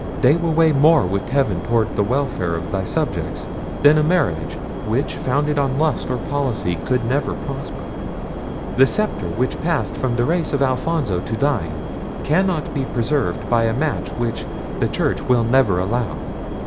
They will weigh more with heaven toward the welfare of thy subjects, than a marriage, which, founded on lust or policy, could never prosper. The sceptre, which passed from the race of Alfonso to thine, cannot be preserved by a match which the church will never allow.